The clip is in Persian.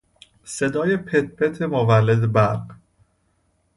صدای پت پت مولد برق